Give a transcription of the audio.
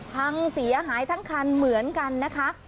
พังเสียหายทั้งคันเหมือนกันนะคะ